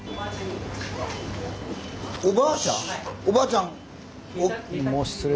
おばあちゃん。